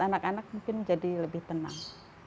anak anak mungkin jadi lebih tenang